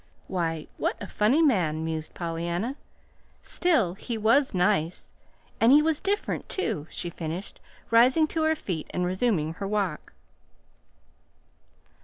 "Why, what a funny man!" mused Pollyanna. "Still, he was nice and he was different, too," she finished, rising to her feet and resuming her walk.